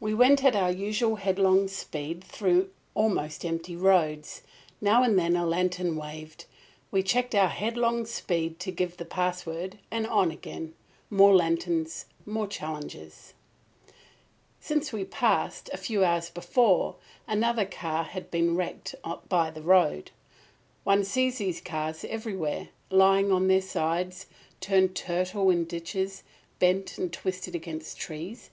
We went at our usual headlong speed through almost empty roads. Now and then a lantern waved. We checked our headlong speed to give the password, and on again. More lanterns; more challenges. Since we passed, a few hours before, another car had been wrecked by the road. One sees these cars everywhere, lying on their sides, turned turtle in ditches, bent and twisted against trees.